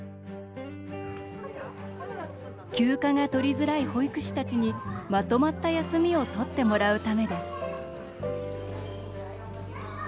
休暇がとりづらい保育士たちにまとまった休みをとってもらうためです。